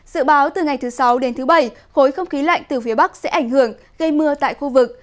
dự báo từ ngày thứ sáu đến thứ bảy khối không khí lạnh từ phía bắc sẽ ảnh hưởng gây mưa tại khu vực